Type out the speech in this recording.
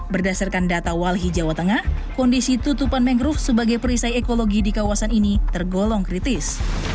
berdasarkan data walhi jawa tengah kondisi tutupan mangrove sebagai perisai ekologi di kawasan ini tergolong kritis